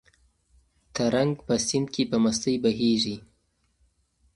ترنګ په سیند کې په مستۍ بهېږي.